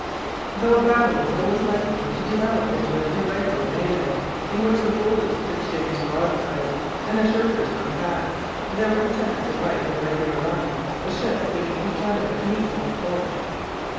Though a battle was always likely to develop into an irregular mêlée, in which the boldest exchanged broadsides and the shirkers hung back, there were attempts to fight in regular lines, the ships giving each other mutual support.